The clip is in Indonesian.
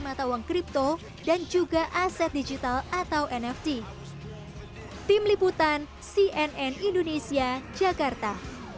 mata uang kripto dan juga aset digital atau nft tim liputan cnn indonesia jakarta